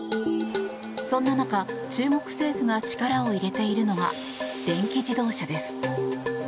そんな中、中国政府が力を入れているのが電気自動車です。